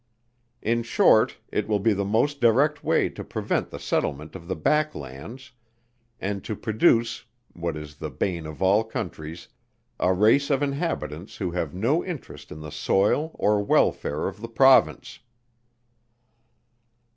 In short, it will be the most direct way to prevent the settlement of the back lands, and to produce (what is the bane of all countries) a race of inhabitants who have no interest in the soil or welfare of the Province.